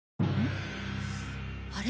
あれ？